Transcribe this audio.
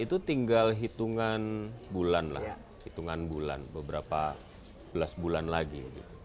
dua ribu sembilan belas itu tinggal hitungan bulan lah hitungan bulan beberapa belas bulan lagi